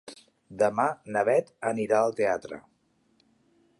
Demà na Bet anirà al teatre.